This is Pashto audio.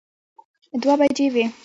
دوه بجې وې.